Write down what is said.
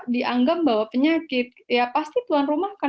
yang menurut saya